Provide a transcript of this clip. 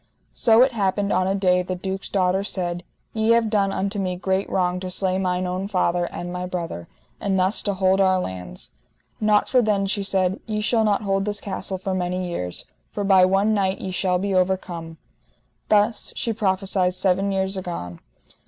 So it happened on a day the duke's daughter said: Ye have done unto me great wrong to slay mine own father, and my brother, and thus to hold our lands: not for then, she said, ye shall not hold this castle for many years, for by one knight ye shall be overcome. Thus she prophesied seven years agone.